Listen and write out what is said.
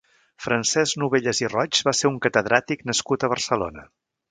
Francesc Novellas i Roig va ser un catedràtic nascut a Barcelona.